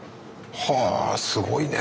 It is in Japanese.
はぁすごいね。